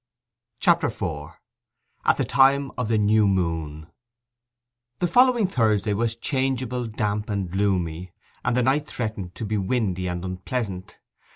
CHAPTER IV—AT THE TIME OF THE NEW MOON The following Thursday was changeable, damp, and gloomy; and the night threatened to be windy and unpleasant.